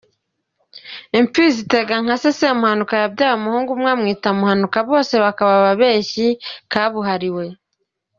Imfizi itega nka se! Semuhanuka yabyaye umuhungu umwe, amwita Muhanuka, bose bakaba ababeshyi kabuhariwe.